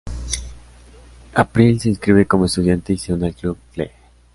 April se inscribe como estudiante y se une al club Glee.